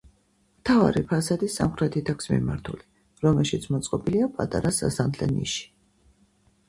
მთავარი ფასადი სამხრეთით აქვს მიმართული, რომელშიც მოწყობილია პატარა სასანთლე ნიში.